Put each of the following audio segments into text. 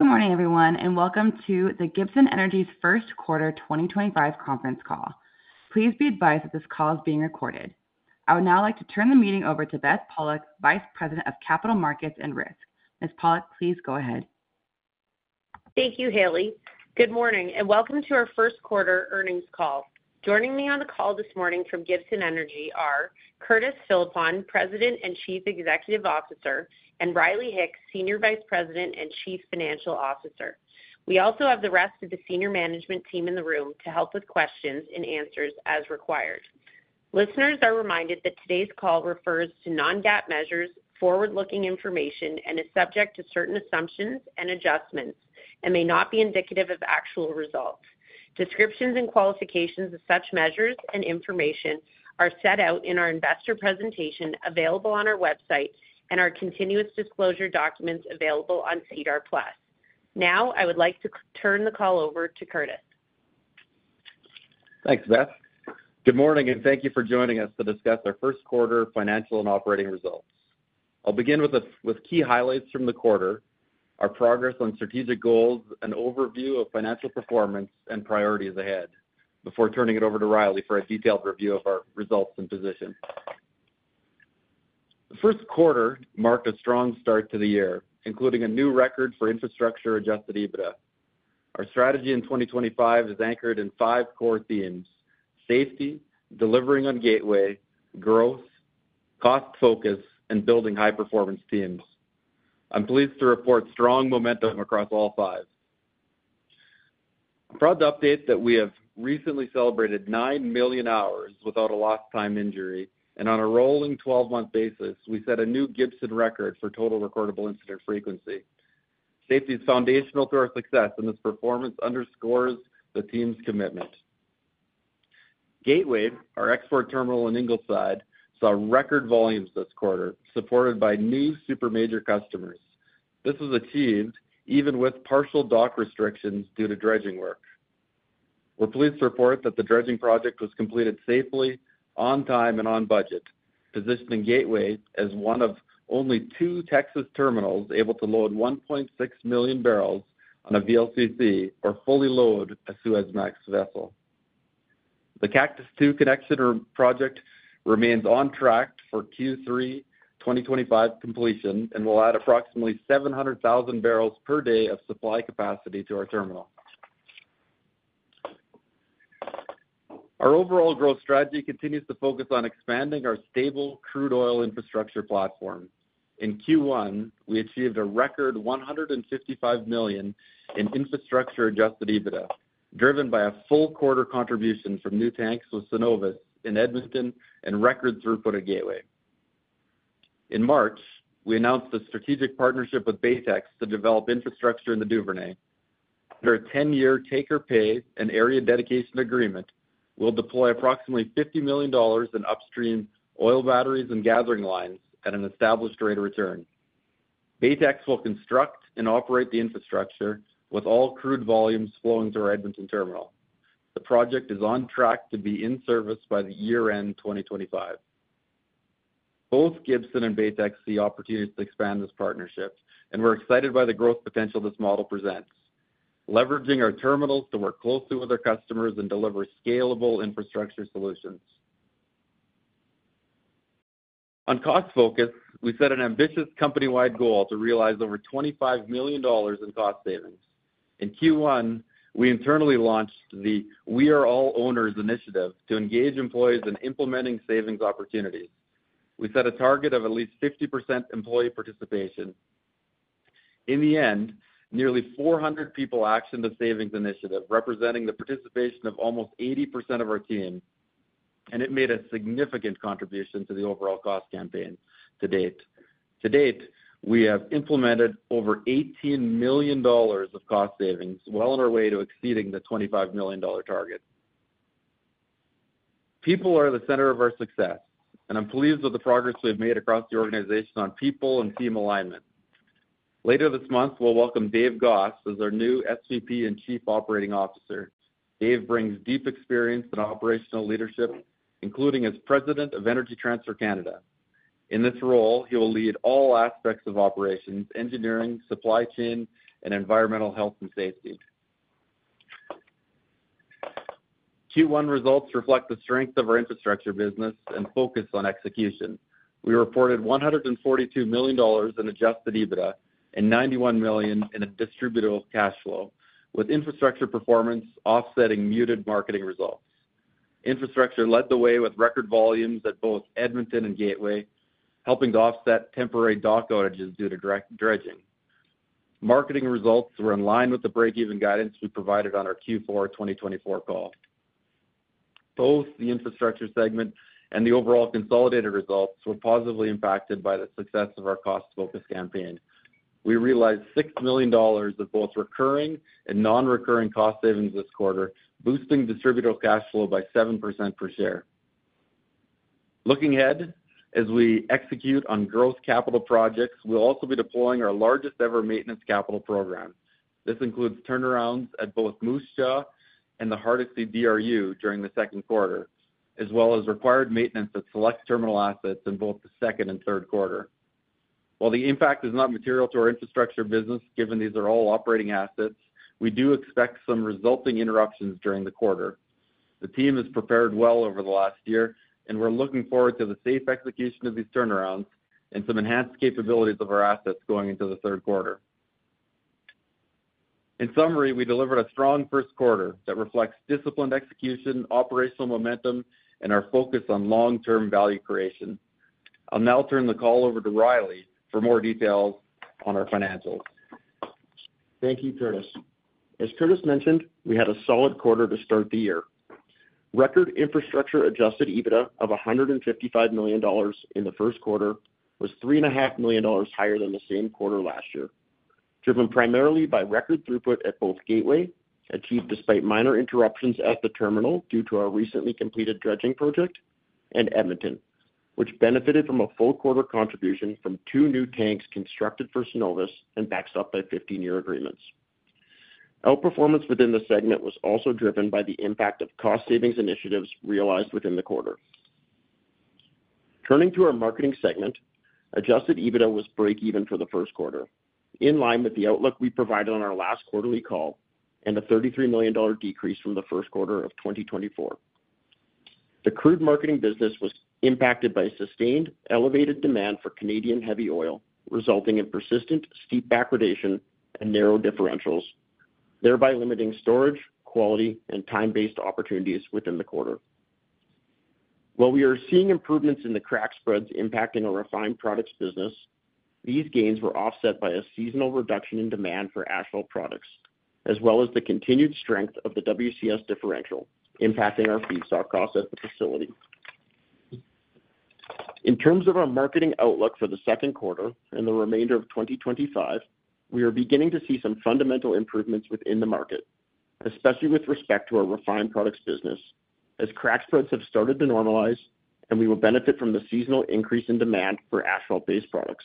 Good morning, everyone, and welcome to Gibson Energy's first quarter 2025 conference call. Please be advised that this call is being recorded. I would now like to turn the meeting over to Beth Pollock, Vice President of Capital Markets and Risk. Ms. Pollock, please go ahead. Thank you, Haley. Good morning and welcome to our first quarter earnings call. Joining me on the call this morning from Gibson Energy are Curtis Philippon, President and Chief Executive Officer, and Riley Hicks, Senior Vice President and Chief Financial Officer. We also have the rest of the senior management team in the room to help with questions and answers as required. Listeners are reminded that today's call refers to non-GAAP measures, forward-looking information, and is subject to certain assumptions and adjustments, and may not be indicative of actual results. Descriptions and qualifications of such measures and information are set out in our investor presentation available on our website and our continuous disclosure documents available on CDAR Plus. Now, I would like to turn the call over to Curtis. Thanks, Beth. Good morning and thank you for joining us to discuss our first quarter financial and operating results. I'll begin with key highlights from the quarter, our progress on strategic goals, an overview of financial performance, and priorities ahead, before turning it over to Riley for a detailed review of our results and position. The first quarter marked a strong start to the year, including a new record for infrastructure-adjusted EBITDA. Our strategy in 2025 is anchored in five core themes: safety, delivering on Gateway, growth, cost focus, and building high-performance teams. I'm pleased to report strong momentum across all five. I'm proud to update that we have recently celebrated 9 million hours without a lost-time injury, and on a rolling 12-month basis, we set a new Gibson record for total recordable incident frequency. Safety is foundational to our success, and this performance underscores the team's commitment. Gateway, our export terminal in Ingleside, saw record volumes this quarter, supported by new super major customers. This was achieved even with partial dock restrictions due to dredging work. We're pleased to report that the dredging project was completed safely, on time, and on budget, positioning Gateway as one of only two Texas terminals able to load 1.6 million barrels on a VLCC or fully load a Suezmax vessel. The Cactus II connection project remains on track for Q3 2025 completion and will add approximately 700,000 barrels per day of supply capacity to our terminal. Our overall growth strategy continues to focus on expanding our stable crude oil infrastructure platform. In Q1, we achieved a record $155 million in infrastructure-adjusted EBITDA, driven by a full quarter contribution from new tanks with Cenovus in Edmonton and record throughput at Gateway. In March, we announced a strategic partnership with Baytex to develop infrastructure in the Duvernay. Under a 10-year take-or-pay and area dedication agreement, we'll deploy approximately $50 million in upstream oil batteries and gathering lines at an established rate of return. Baytex will construct and operate the infrastructure with all crude volumes flowing through our Edmonton terminal. The project is on track to be in service by the year-end 2025. Both Gibson and Baytex see opportunities to expand this partnership, and we're excited by the growth potential this model presents, leveraging our terminals to work closely with our customers and deliver scalable infrastructure solutions. On cost focus, we set an ambitious company-wide goal to realize over $25 million in cost savings. In Q1, we internally launched the We Are All Owners initiative to engage employees in implementing savings opportunities. We set a target of at least 50% employee participation. In the end, nearly 400 people actioned the savings initiative, representing the participation of almost 80% of our team, and it made a significant contribution to the overall cost campaign to date. To date, we have implemented over $18 million of cost savings, well on our way to exceeding the $25 million target. People are the center of our success, and I'm pleased with the progress we've made across the organization on people and team alignment. Later this month, we'll welcome Dave Goss as our new SVP and Chief Operating Officer. Dave brings deep experience in operational leadership, including as President of Energy Transfer Canada. In this role, he will lead all aspects of operations: engineering, supply chain, and environmental health and safety. Q1 results reflect the strength of our infrastructure business and focus on execution. We reported $142 million in adjusted EBITDA and $91 million in distributable cash flow, with infrastructure performance offsetting muted marketing results. Infrastructure led the way with record volumes at both Edmonton and Gateway, helping to offset temporary dock outages due to dredging. Marketing results were in line with the break-even guidance we provided on our Q4 2024 call. Both the infrastructure segment and the overall consolidated results were positively impacted by the success of our cost-focused campaign. We realized $6 million of both recurring and non-recurring cost savings this quarter, boosting distributable cash flow by 7% per share. Looking ahead, as we execute on growth capital projects, we will also be deploying our largest-ever maintenance capital program. This includes turnarounds at both Moose Jaw and the Hardisty DRU during the second quarter, as well as required maintenance at select terminal assets in both the second and third quarter. While the impact is not material to our infrastructure business, given these are all operating assets, we do expect some resulting interruptions during the quarter. The team has prepared well over the last year, and we're looking forward to the safe execution of these turnarounds and some enhanced capabilities of our assets going into the third quarter. In summary, we delivered a strong first quarter that reflects disciplined execution, operational momentum, and our focus on long-term value creation. I'll now turn the call over to Riley for more details on our financials. Thank you, Curtis. As Curtis mentioned, we had a solid quarter to start the year. Record infrastructure-adjusted EBITDA of $155 million in the first quarter was $3.5 million higher than the same quarter last year, driven primarily by record throughput at both Gateway, achieved despite minor interruptions at the terminal due to our recently completed dredging project, and Edmonton, which benefited from a full quarter contribution from two new tanks constructed for Suncor and backed up by 15-year agreements. Outperformance within the segment was also driven by the impact of cost savings initiatives realized within the quarter. Turning to our marketing segment, adjusted EBITDA was break-even for the first quarter, in line with the outlook we provided on our last quarterly call and a $33 million decrease from the first quarter of 2023. The crude marketing business was impacted by sustained elevated demand for Canadian heavy oil, resulting in persistent steep backwardation and narrow differentials, thereby limiting storage, quality, and time-based opportunities within the quarter. While we are seeing improvements in the crack spreads impacting our refined products business, these gains were offset by a seasonal reduction in demand for asphalt products, as well as the continued strength of the WCS differential impacting our feedstock cost at the facility. In terms of our marketing outlook for the second quarter and the remainder of 2025, we are beginning to see some fundamental improvements within the market, especially with respect to our refined products business, as crack spreads have started to normalize and we will benefit from the seasonal increase in demand for asphalt-based products.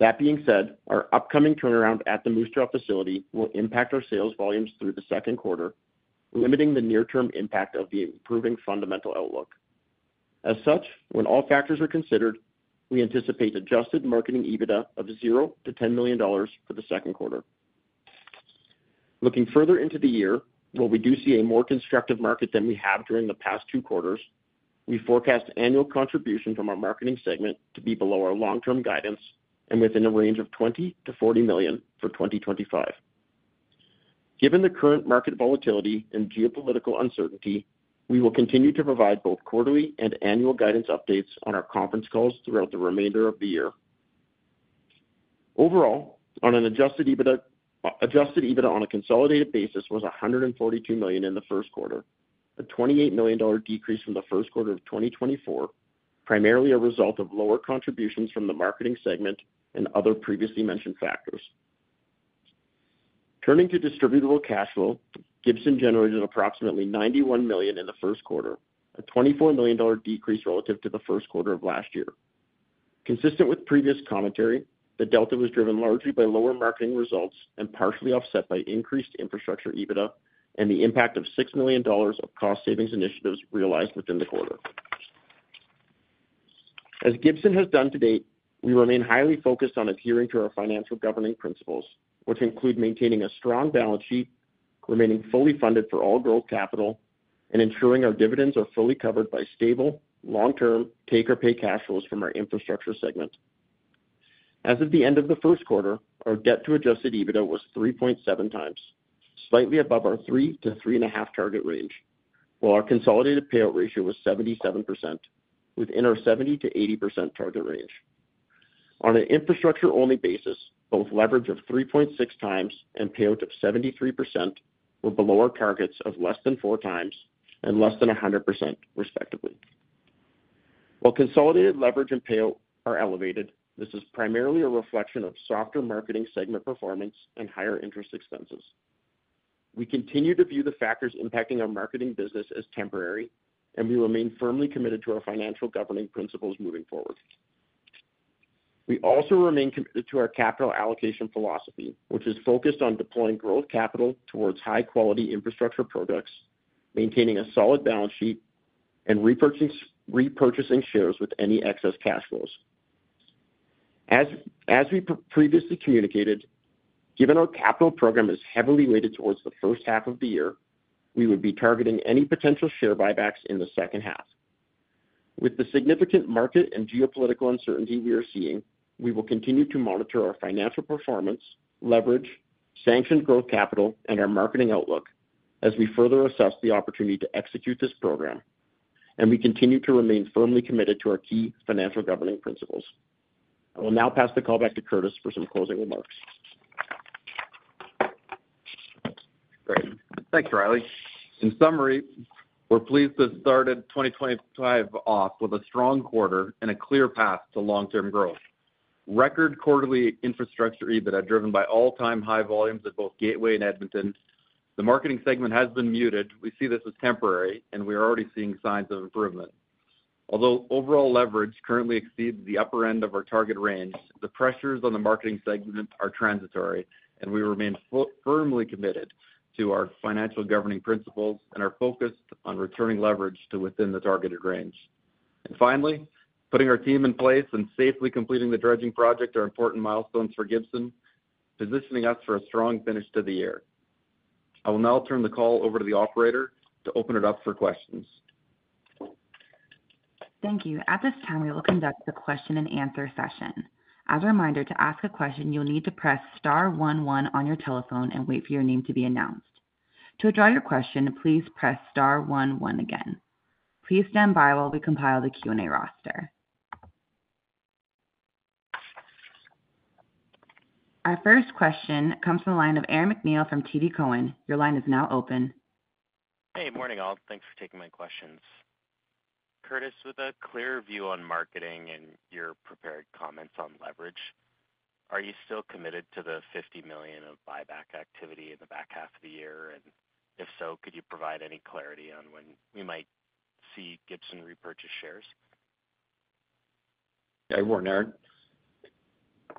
That being said, our upcoming turnaround at the Moose Jaw facility will impact our sales volumes through the second quarter, limiting the near-term impact of the improving fundamental outlook. As such, when all factors are considered, we anticipate adjusted Marketing EBITDA of $0-$10 million for the second quarter. Looking further into the year, while we do see a more constructive market than we have during the past two quarters, we forecast annual contribution from our Marketing segment to be below our long-term guidance and within a range of $20-$40 million for 2025. Given the current market volatility and geopolitical uncertainty, we will continue to provide both quarterly and annual guidance updates on our conference calls throughout the remainder of the year. Overall, on an adjusted EBITDA on a consolidated basis was $142 million in the first quarter, a $28 million decrease from the first quarter of 2024, primarily a result of lower contributions from the marketing segment and other previously mentioned factors. Turning to distributable cash flow, Gibson generated approximately $91 million in the first quarter, a $24 million decrease relative to the first quarter of last year. Consistent with previous commentary, the delta was driven largely by lower marketing results and partially offset by increased infrastructure EBITDA and the impact of $6 million of cost savings initiatives realized within the quarter. As Gibson has done to date, we remain highly focused on adhering to our financial governing principles, which include maintaining a strong balance sheet, remaining fully funded for all growth capital, and ensuring our dividends are fully covered by stable, long-term take-or-pay cash flows from our infrastructure segment. As of the end of the first quarter, our debt-to-adjusted EBITDA was 3.7 times, slightly above our 3-3.5 target range, while our consolidated payout ratio was 77%, within our 70-80% target range. On an infrastructure-only basis, both leverage of 3.6 times and payout of 73% were below our targets of less than 4 times and less than 100%, respectively. While consolidated leverage and payout are elevated, this is primarily a reflection of softer marketing segment performance and higher interest expenses. We continue to view the factors impacting our marketing business as temporary, and we remain firmly committed to our financial governing principles moving forward. We also remain committed to our capital allocation philosophy, which is focused on deploying growth capital towards high-quality infrastructure products, maintaining a solid balance sheet, and repurchasing shares with any excess cash flows. As we previously communicated, given our capital program is heavily weighted towards the first half of the year, we would be targeting any potential share buybacks in the second half. With the significant market and geopolitical uncertainty we are seeing, we will continue to monitor our financial performance, leverage, sanctioned growth capital, and our marketing outlook as we further assess the opportunity to execute this program, and we continue to remain firmly committed to our key financial governing principles. I will now pass the call back to Curtis for some closing remarks. Great. Thanks, Riley. In summary, we're pleased to have started 2025 off with a strong quarter and a clear path to long-term growth. Record quarterly infrastructure EBITDA driven by all-time high volumes at both Gateway and Edmonton. The marketing segment has been muted. We see this as temporary, and we are already seeing signs of improvement. Although overall leverage currently exceeds the upper end of our target range, the pressures on the marketing segment are transitory, and we remain firmly committed to our financial governing principles and are focused on returning leverage to within the targeted range. Finally, putting our team in place and safely completing the dredging project are important milestones for Gibson, positioning us for a strong finish to the year. I will now turn the call over to the operator to open it up for questions. Thank you. At this time, we will conduct the question-and-answer session. As a reminder, to ask a question, you'll need to press star 11 on your telephone and wait for your name to be announced. To address your question, please press star 11 again. Please stand by while we compile the Q&A roster. Our first question comes from the line of Aaron McNeil from TD Cowen. Your line is now open. Hey, morning all. Thanks for taking my questions. Curtis, with a clear view on Marketing and your prepared comments on leverage, are you still committed to the $50 million of buyback activity in the back half of the year? If so, could you provide any clarity on when we might see Gibson repurchase shares? Yeah, good morning, Aaron.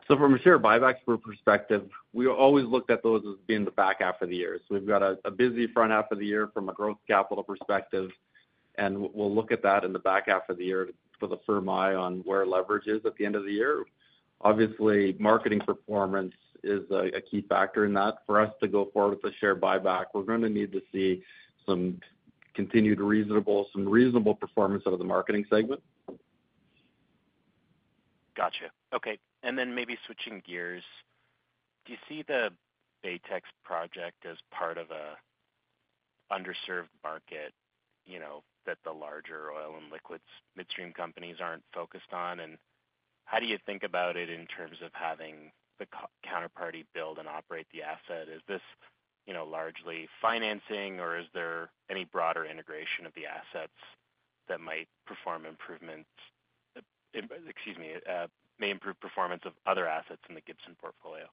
From a share buyback perspective, we always looked at those as being the back half of the year. We've got a busy front half of the year from a growth capital perspective, and we'll look at that in the back half of the year to put a firm eye on where leverage is at the end of the year. Obviously, marketing performance is a key factor in that. For us to go forward with the share buyback, we're going to need to see some continued reasonable performance out of the marketing segment. Gotcha. Okay. Maybe switching gears, do you see the Baytex project as part of an underserved market that the larger oil and liquids midstream companies are not focused on? How do you think about it in terms of having the counterparty build and operate the asset? Is this largely financing, or is there any broader integration of the assets that might improve performance of other assets in the Gibson portfolio?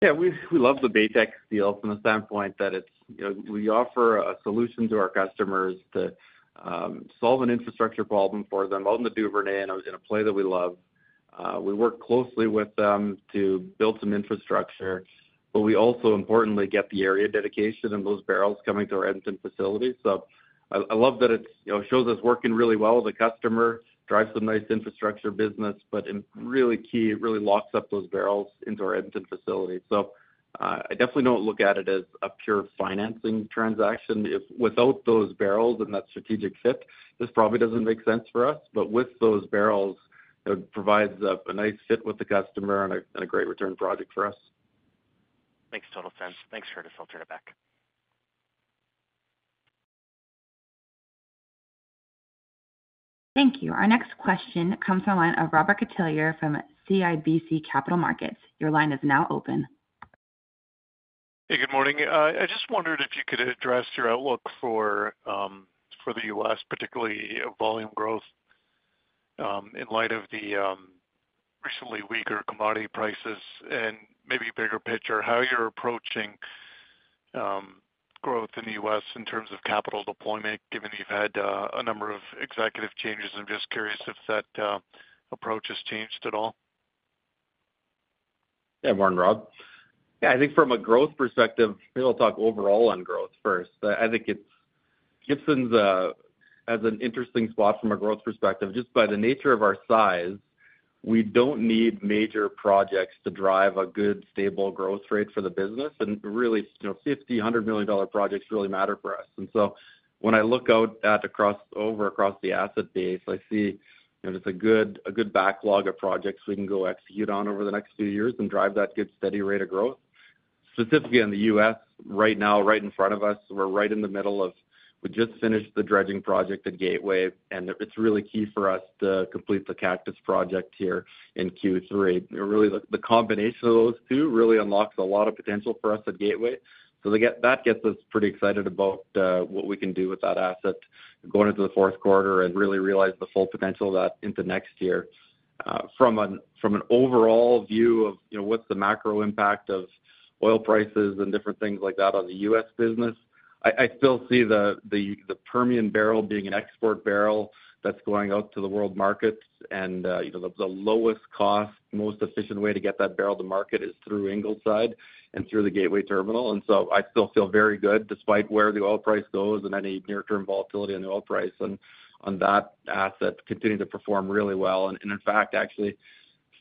Yeah, we love the Baytex deal from the standpoint that we offer a solution to our customers to solve an infrastructure problem for them out in the Duvernay in a play that we love. We work closely with them to build some infrastructure, but we also, importantly, get the area dedication and those barrels coming to our Edmonton facility. I love that it shows us working really well with a customer, drives some nice infrastructure business, but really key, really locks up those barrels into our Edmonton facility. I definitely don't look at it as a pure financing transaction. Without those barrels and that strategic fit, this probably doesn't make sense for us. With those barrels, it provides a nice fit with the customer and a great return project for us. Makes total sense. Thanks, Curtis. I'll turn it back. Thank you. Our next question comes from a line of Robert Catelier from CIBC Capital Markets. Your line is now open. Hey, good morning. I just wondered if you could address your outlook for the U.S., particularly volume growth in light of the recently weaker commodity prices. Maybe bigger picture, how you're approaching growth in the U.S. in terms of capital deployment, given you've had a number of executive changes. I'm just curious if that approach has changed at all. Yeah, morning, Rob. Yeah, I think from a growth perspective, maybe I'll talk overall on growth first. I think Gibson's in an interesting spot from a growth perspective. Just by the nature of our size, we don't need major projects to drive a good, stable growth rate for the business. Really, $50 million, $100 million projects really matter for us. When I look out across the asset base, I see just a good backlog of projects we can go execute on over the next few years and drive that good, steady rate of growth. Specifically in the U.S. right now, right in front of us, we're right in the middle of—we just finished the dredging project at Gateway, and it's really key for us to complete the Cactus project here in Q3. Really, the combination of those two really unlocks a lot of potential for us at Gateway. That gets us pretty excited about what we can do with that asset going into the fourth quarter and really realize the full potential of that into next year. From an overall view of what's the macro impact of oil prices and different things like that on the U.S. business, I still see the Permian barrel being an export barrel that's going out to the world markets. The lowest cost, most efficient way to get that barrel to market is through Ingleside and through the Gateway terminal. I still feel very good despite where the oil price goes and any near-term volatility on the oil price. On that asset, continue to perform really well. In fact, actually,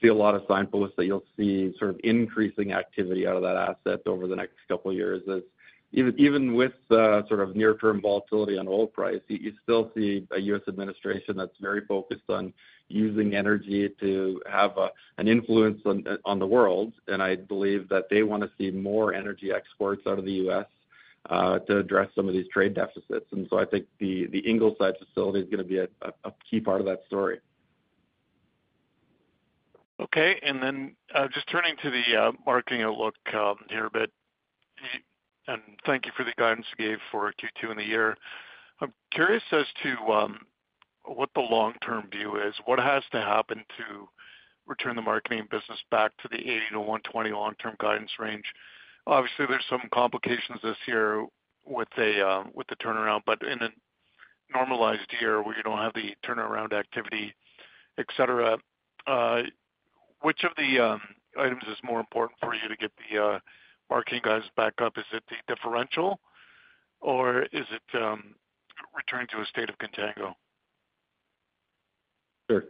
see a lot of signposts that you'll see sort of increasing activity out of that asset over the next couple of years. Even with sort of near-term volatility on oil price, you still see a U.S. administration that's very focused on using energy to have an influence on the world. I believe that they want to see more energy exports out of the U.S. to address some of these trade deficits. I think the Ingleside facility is going to be a key part of that story. Okay. And then just turning to the marketing outlook here a bit, and thank you for the guidance you gave for Q2 in the year. I'm curious as to what the long-term view is. What has to happen to return the marketing business back to the 80-120 long-term guidance range? Obviously, there's some complications this year with the turnaround, but in a normalized year where you don't have the turnaround activity, etc., which of the items is more important for you to get the marketing guys back up? Is it the differential, or is it returning to a state of contango? Sure.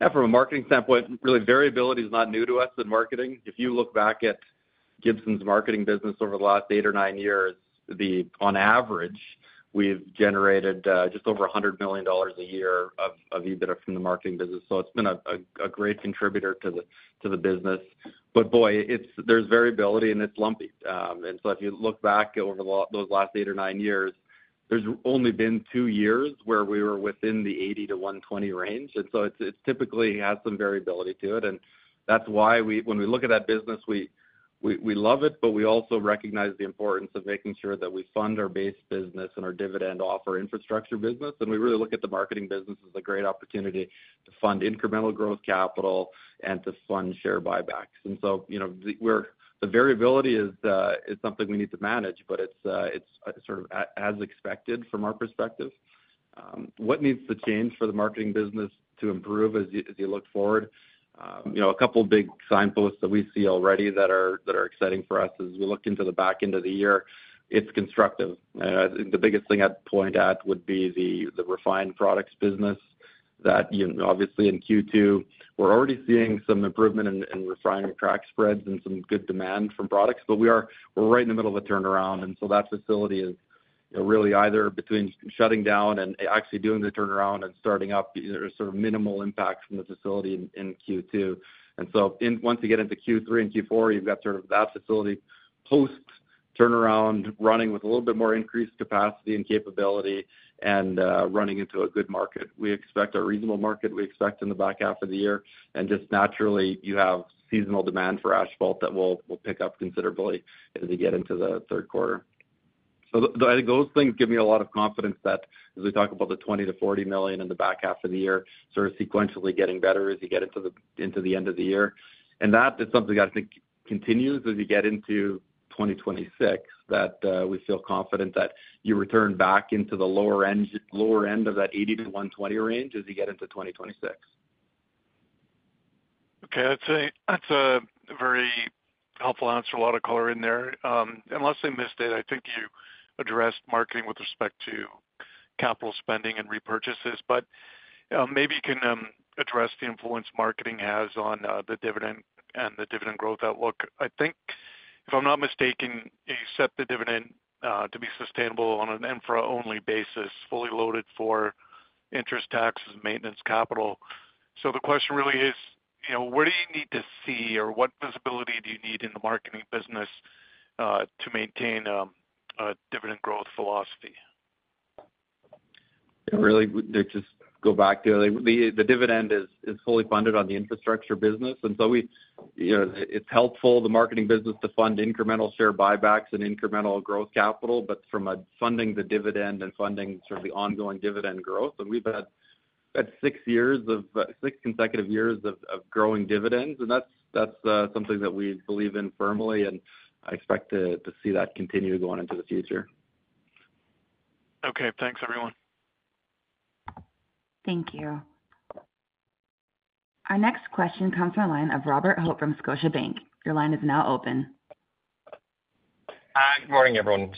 Yeah, from a marketing standpoint, really, variability is not new to us in marketing. If you look back at Gibson's marketing business over the last eight or nine years, on average, we've generated just over $100 million a year of EBITDA from the marketing business. It has been a great contributor to the business. Boy, there is variability, and it is lumpy. If you look back over those last eight or nine years, there have only been two years where we were within the 80-120 range. It typically has some variability to it. That is why when we look at that business, we love it, but we also recognize the importance of making sure that we fund our base business and our dividend offer infrastructure business. We really look at the marketing business as a great opportunity to fund incremental growth capital and to fund share buybacks. The variability is something we need to manage, but it's sort of as expected from our perspective. What needs to change for the marketing business to improve as you look forward? A couple of big signposts that we see already that are exciting for us as we look into the back end of the year, it's constructive. The biggest thing I'd point at would be the refined products business that obviously in Q2, we're already seeing some improvement in refining crack spreads and some good demand from products. We're right in the middle of a turnaround, and that facility is really either between shutting down and actually doing the turnaround and starting up, sort of minimal impact from the facility in Q2. Once you get into Q3 and Q4, you have sort of that facility post-turnaround running with a little bit more increased capacity and capability and running into a good market. We expect a reasonable market. We expect in the back half of the year. Just naturally, you have seasonal demand for asphalt that will pick up considerably as you get into the third quarter. I think those things give me a lot of confidence that as we talk about the $20 million-$40 million in the back half of the year, sort of sequentially getting better as you get into the end of the year. That is something that I think continues as you get into 2026, that we feel confident that you return back into the lower end of that $80 million-$20 million range as you get into 2026. Okay. That's a very helpful answer. A lot of color in there. Unless I missed it, I think you addressed marketing with respect to capital spending and repurchases. Maybe you can address the influence marketing has on the dividend and the dividend growth outlook. I think, if I'm not mistaken, you set the dividend to be sustainable on an infra-only basis, fully loaded for interest, taxes, and maintenance capital. The question really is, where do you need to see or what visibility do you need in the marketing business to maintain a dividend growth philosophy? Really, just go back to the dividend is fully funded on the infrastructure business. It is helpful, the marketing business, to fund incremental share buybacks and incremental growth capital, but from funding the dividend and funding sort of the ongoing dividend growth. We have had six consecutive years of growing dividends. That is something that we believe in firmly, and I expect to see that continue going into the future. Okay. Thanks, everyone. Thank you. Our next question comes from a line of Robert Hoffman from Scotiabank. Your line is now open. Hi, good morning, everyone.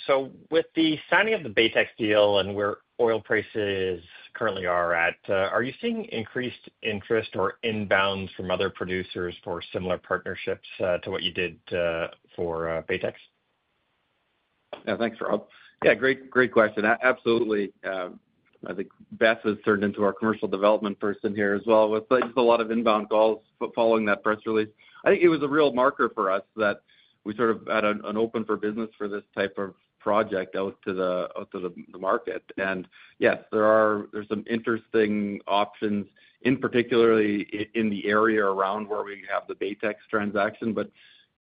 With the signing of the Baytex deal and where oil prices currently are at, are you seeing increased interest or inbounds from other producers for similar partnerships to what you did for Baytex? Yeah, thanks, Rob. Yeah, great question. Absolutely. I think Beth has turned into our commercial development person here as well with just a lot of inbound calls following that press release. I think it was a real marker for us that we sort of had an open for business for this type of project out to the market. Yes, there are some interesting options, in particular in the area around where we have the Baytex transaction.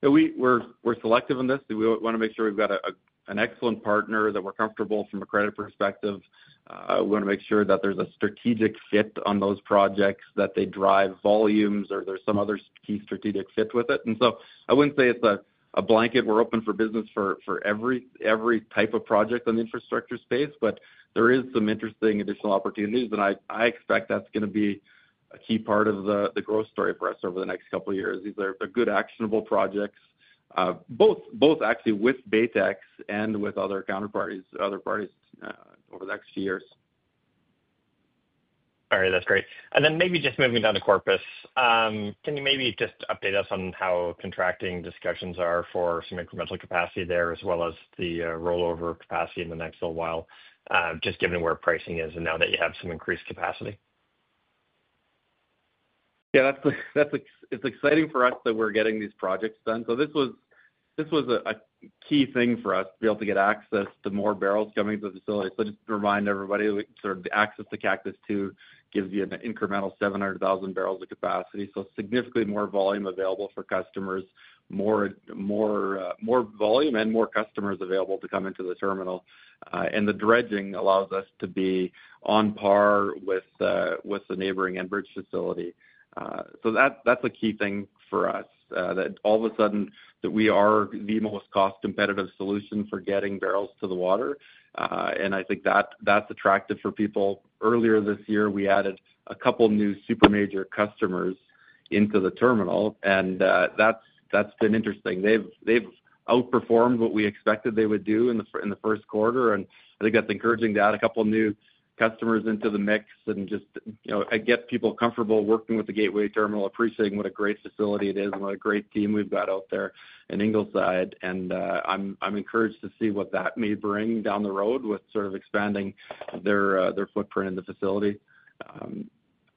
We are selective in this. We want to make sure we have an excellent partner that we are comfortable with from a credit perspective. We want to make sure that there is a strategic fit on those projects, that they drive volumes or there is some other key strategic fit with it. I would not say it is a blanket. We're open for business for every type of project in the infrastructure space, but there are some interesting additional opportunities. I expect that's going to be a key part of the growth story for us over the next couple of years. These are good, actionable projects, both actually with Baytex and with other counterparties over the next few years. All right. That's great. Maybe just moving down to Corpus, can you maybe just update us on how contracting discussions are for some incremental capacity there as well as the rollover capacity in the next little while, just given where pricing is and now that you have some increased capacity? Yeah, it's exciting for us that we're getting these projects done. This was a key thing for us to be able to get access to more barrels coming to the facility. Just to remind everybody, sort of the access to Cactus II gives you an incremental 700,000 barrels of capacity. Significantly more volume available for customers, more volume and more customers available to come into the terminal. The dredging allows us to be on par with the neighboring Enbridge facility. That's a key thing for us, that all of a sudden we are the most cost-competitive solution for getting barrels to the water. I think that's attractive for people. Earlier this year, we added a couple of new super major customers into the terminal. That's been interesting. They've outperformed what we expected they would do in the first quarter. I think that's encouraging to add a couple of new customers into the mix and just get people comfortable working with the Gateway terminal, appreciating what a great facility it is and what a great team we've got out there in Ingleside. I'm encouraged to see what that may bring down the road with sort of expanding their footprint in the facility.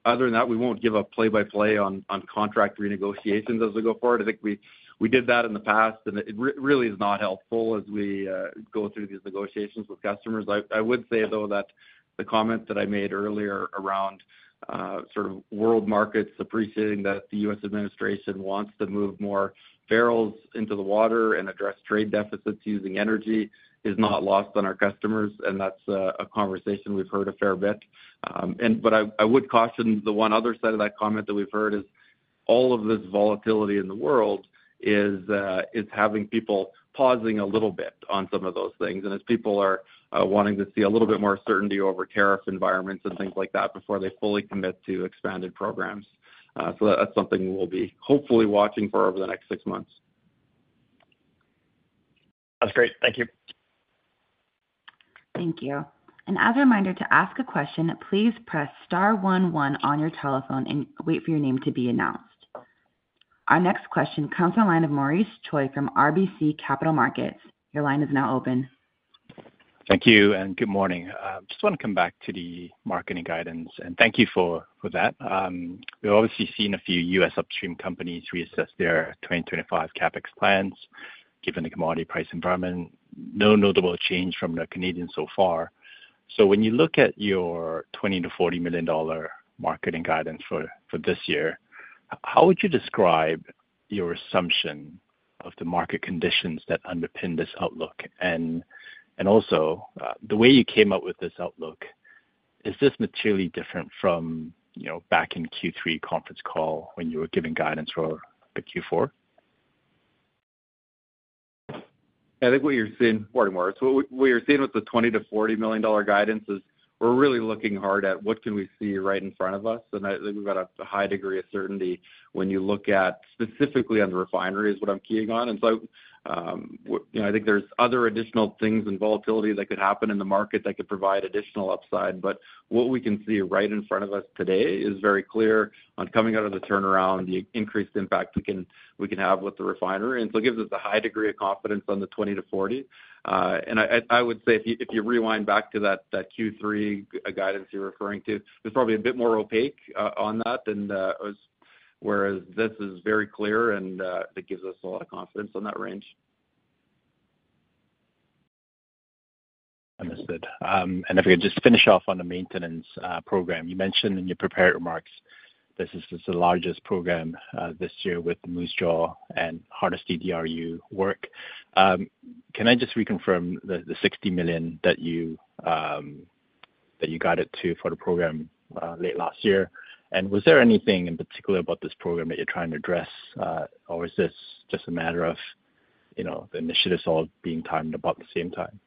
Other than that, we won't give up play-by-play on contract renegotiations as we go forward. I think we did that in the past, and it really is not helpful as we go through these negotiations with customers. I would say, though, that the comment that I made earlier around sort of world markets appreciating that the U.S. administration wants to move more barrels into the water and address trade deficits using energy is not lost on our customers. That is a conversation we've heard a fair bit. I would caution the one other side of that comment that we've heard is all of this volatility in the world is having people pausing a little bit on some of those things. As people are wanting to see a little bit more certainty over tariff environments and things like that before they fully commit to expanded programs. That is something we'll be hopefully watching for over the next six months. That's great. Thank you. Thank you. As a reminder, to ask a question, please press star 11 on your telephone and wait for your name to be announced. Our next question comes from a line of Maurice Choy from RBC Capital Markets. Your line is now open. Thank you. Good morning. Just want to come back to the marketing guidance. Thank you for that. We've obviously seen a few U.S. upstream companies reassess their 2025 CapEx plans given the commodity price environment. No notable change from the Canadian so far. When you look at your $20 million-$40 million marketing guidance for this year, how would you describe your assumption of the market conditions that underpin this outlook? Also, the way you came up with this outlook, is this materially different from back in the Q3 conference call when you were giving guidance for Q4? I think what you're seeing more and more. What you're seeing with the $20 million-$40 million guidance is we're really looking hard at what can we see right in front of us. I think we've got a high degree of certainty when you look at specifically on the refinery is what I'm keying on. I think there's other additional things and volatility that could happen in the market that could provide additional upside. What we can see right in front of us today is very clear on coming out of the turnaround, the increased impact we can have with the refiner. It gives us a high degree of confidence on the $20 million-$40 million. I would say if you rewind back to that Q3 guidance you're referring to, it's probably a bit more opaque on that, whereas this is very clear and it gives us a lot of confidence on that range. I missed it. If we could just finish off on the maintenance program. You mentioned in your prepared remarks this is the largest program this year with Moose Jaw and Hardisty DRU work. Can I just reconfirm the $60 million that you guided to for the program late last year? Was there anything in particular about this program that you're trying to address, or is this just a matter of the initiatives all being timed about the same time?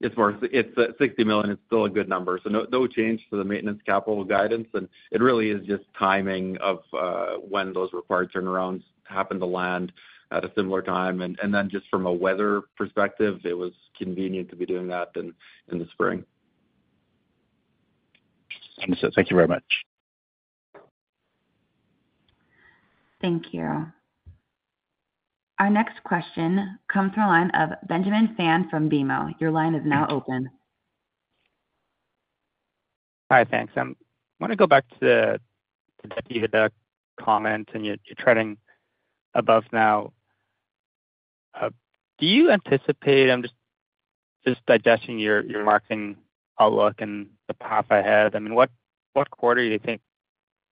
Yes, Maurice. It is $60 million. It is still a good number. No change to the maintenance capital guidance. It really is just timing of when those required turnarounds happen to land at a similar time. Just from a weather perspective, it was convenient to be doing that in the spring. Understood. Thank you very much. Thank you. Our next question comes from a line of Benjamin Fan from BMO. Your line is now open. Hi, thanks. I want to go back to the debt dividend comment, and you're treading above now. Do you anticipate—I'm just digesting your marketing outlook and the path ahead—I mean, what quarter do you think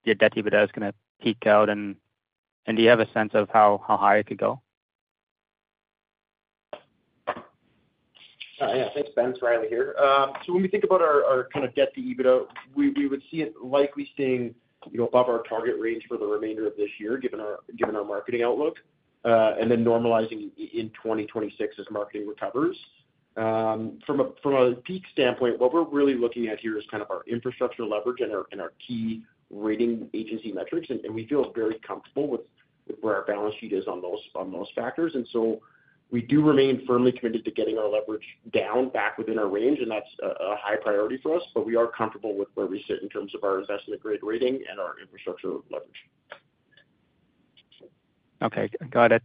the debt dividend is going to peak out? Do you have a sense of how high it could go? Yeah. Thanks, Ben. It's Riley here. When we think about our kind of debt to EBITDA, we would see it likely staying above our target range for the remainder of this year, given our marketing outlook, and then normalizing in 2026 as marketing recovers. From a peak standpoint, what we're really looking at here is kind of our infrastructure leverage and our key rating agency metrics. We feel very comfortable with where our balance sheet is on those factors. We do remain firmly committed to getting our leverage down back within our range. That's a high priority for us. We are comfortable with where we sit in terms of our investment-grade rating and our infrastructure leverage. Okay. Got it.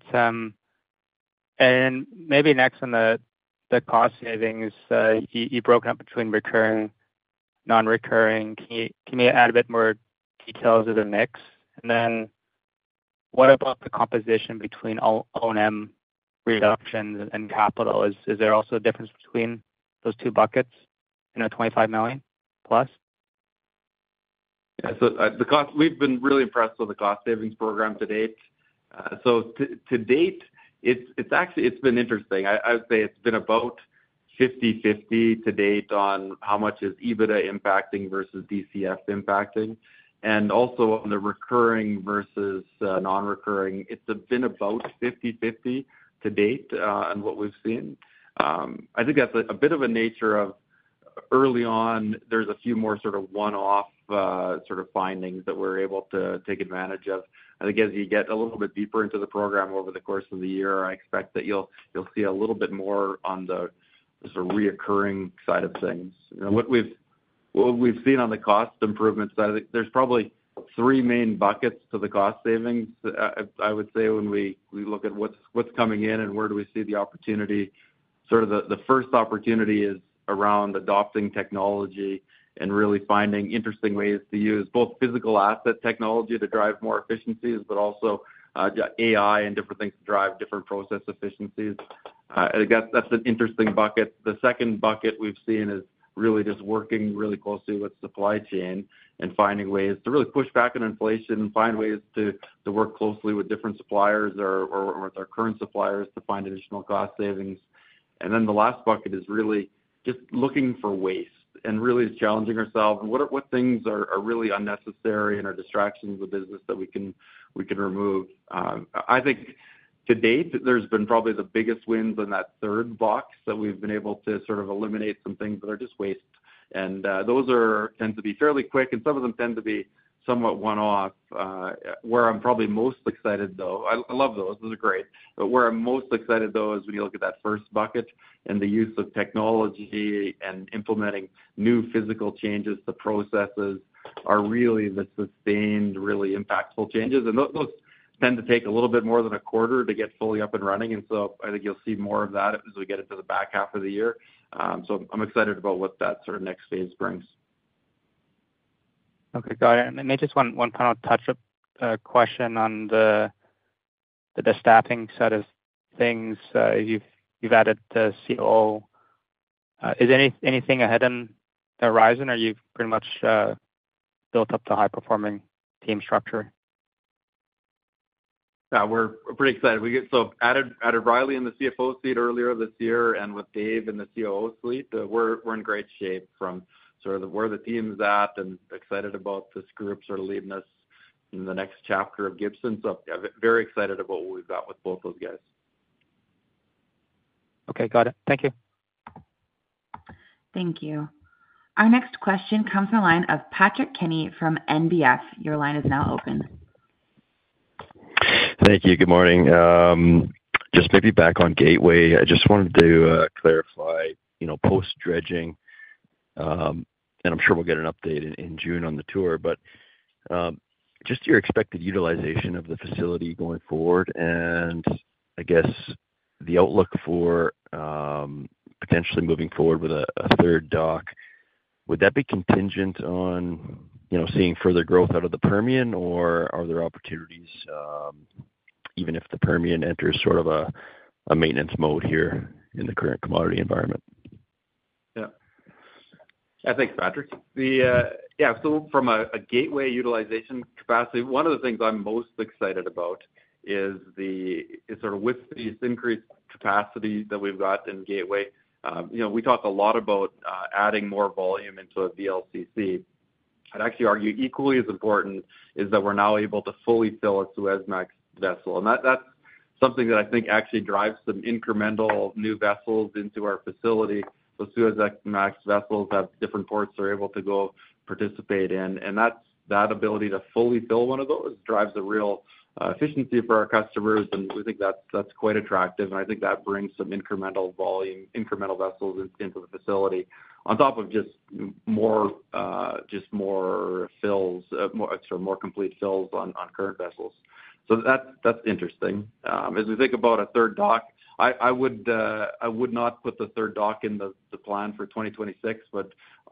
Maybe next on the cost savings, you broke up between recurring, non-recurring. Can you add a bit more details of the mix? What about the composition between O&M reductions and capital? Is there also a difference between those two buckets in a $25 million plus? Yeah. We've been really impressed with the cost savings program to date. To date, it's been interesting. I would say it's been about 50/50 to date on how much is EBITDA impacting versus DCF impacting. Also, on the recurring versus non-recurring, it's been about 50/50 to date on what we've seen. I think that's a bit of a nature of early on, there's a few more sort of one-off findings that we're able to take advantage of. I think as you get a little bit deeper into the program over the course of the year, I expect that you'll see a little bit more on the sort of recurring side of things. What we've seen on the cost improvement side, there's probably three main buckets to the cost savings, I would say, when we look at what's coming in and where do we see the opportunity. The first opportunity is around adopting technology and really finding interesting ways to use both physical asset technology to drive more efficiencies, but also AI and different things to drive different process efficiencies. I think that's an interesting bucket. The second bucket we've seen is really just working really closely with supply chain and finding ways to really push back on inflation and find ways to work closely with different suppliers or with our current suppliers to find additional cost savings. The last bucket is really just looking for waste and really challenging ourselves and what things are really unnecessary and are distractions of business that we can remove. I think to date, there's been probably the biggest wins in that third box that we've been able to sort of eliminate some things that are just waste. Those tend to be fairly quick, and some of them tend to be somewhat one-off. Where I'm probably most excited, though—I love those. Those are great. Where I'm most excited, though, is when you look at that first bucket and the use of technology and implementing new physical changes to processes are really the sustained, really impactful changes. Those tend to take a little bit more than a quarter to get fully up and running. I think you'll see more of that as we get into the back half of the year. I'm excited about what that sort of next phase brings. Okay. Got it. Maybe just one final touch-up question on the staffing side of things. You've added the COO. Is anything ahead in Horizon, or you've pretty much built up the high-performing team structure? Yeah. We're pretty excited. I added Riley in the CFO seat earlier this year and with Dave in the COO suite. We're in great shape from sort of where the team's at and excited about this group sort of leading us in the next chapter of Gibson. Very excited about what we've got with both those guys. Okay. Got it. Thank you. Thank you. Our next question comes from a line of Patrick Kenney from National Bank Financial. Your line is now open. Thank you. Good morning. Just maybe back on Gateway. I just wanted to clarify post-dredging, and I'm sure we'll get an update in June on the tour, but just your expected utilization of the facility going forward and I guess the outlook for potentially moving forward with a third dock. Would that be contingent on seeing further growth out of the Permian, or are there opportunities even if the Permian enters sort of a maintenance mode here in the current commodity environment? Yeah. Thanks, Patrick. Yeah. From a Gateway utilization capacity, one of the things I'm most excited about is sort of with this increased capacity that we've got in Gateway. We talked a lot about adding more volume into a VLCC. I'd actually argue equally as important is that we're now able to fully fill a Suezmax vessel. That's something that I think actually drives some incremental new vessels into our facility. The Suezmax vessels have different ports they're able to go participate in. That ability to fully fill one of those drives a real efficiency for our customers. We think that's quite attractive. I think that brings some incremental volume, incremental vessels into the facility on top of just more fills, sort of more complete fills on current vessels. That's interesting. As we think about a third dock, I would not put the third dock in the plan for 2026, but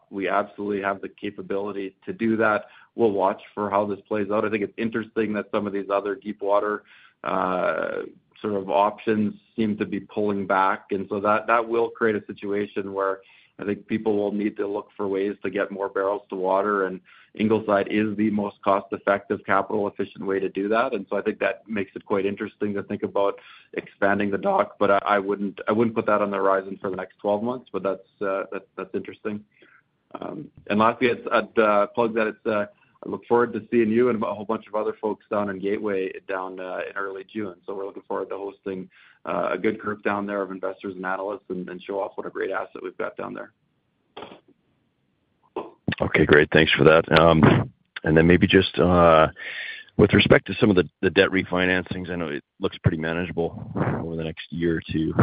we absolutely have the capability to do that. We'll watch for how this plays out. I think it's interesting that some of these other deep water sort of options seem to be pulling back. That will create a situation where I think people will need to look for ways to get more barrels to water. Ingleside is the most cost-effective, capital-efficient way to do that. I think that makes it quite interesting to think about expanding the dock. I wouldn't put that on the horizon for the next 12 months, but that's interesting. Lastly, I'd plug that I look forward to seeing you and a whole bunch of other folks down in Gateway down in early June. We're looking forward to hosting a good group down there of investors and analysts and show off what a great asset we've got down there. Okay. Great. Thanks for that. Maybe just with respect to some of the debt refinancings, I know it looks pretty manageable over the next year or two.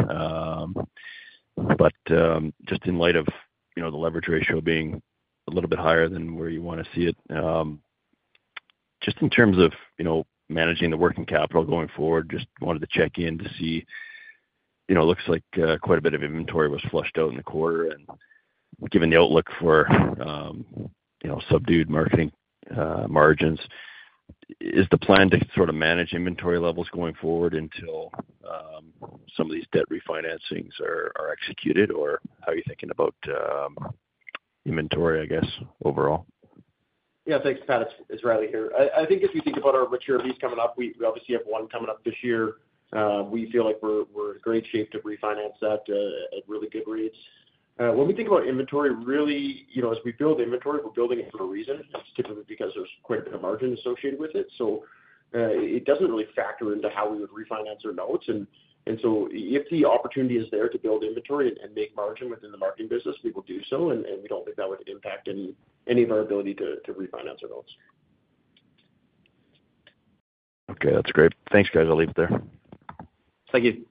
Just in light of the leverage ratio being a little bit higher than where you want to see it, just in terms of managing the working capital going forward, just wanted to check in to see it looks like quite a bit of inventory was flushed out in the quarter. Given the outlook for subdued marketing margins, is the plan to sort of manage inventory levels going forward until some of these debt refinancings are executed, or how are you thinking about inventory, I guess, overall? Yeah. Thanks, Pat. It's Riley here. I think if you think about our mature fees coming up, we obviously have one coming up this year. We feel like we're in great shape to refinance that at really good rates. When we think about inventory, really, as we build inventory, we're building it for a reason. It's typically because there's quite a bit of margin associated with it. It doesn't really factor into how we would refinance our notes. If the opportunity is there to build inventory and make margin within the marketing business, we will do so. We don't think that would impact any of our ability to refinance our notes. Okay. That's great. Thanks, guys. I'll leave it there. Thank you.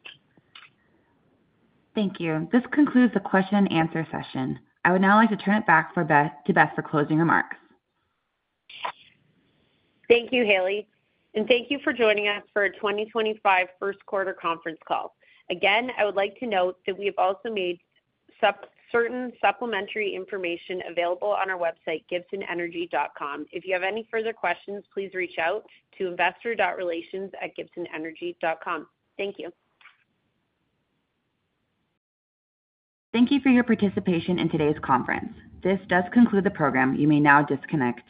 Thank you. This concludes the question-and-answer session. I would now like to turn it back to Beth for closing remarks. Thank you, Haley. Thank you for joining us for a 2025 first-quarter conference call. I would like to note that we have also made certain supplementary information available on our website, gibsonenergy.com. If you have any further questions, please reach out to investor.relations@gibsonenergy.com. Thank you. Thank you for your participation in today's conference. This does conclude the program. You may now disconnect.